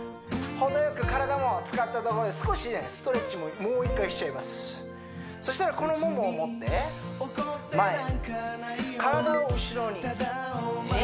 ほどよく体も使ったところで少しねストレッチももう一回しちゃいますそしたらこのももを持って前体を後ろにえ！？